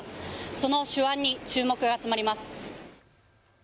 その手腕に注目が集まります。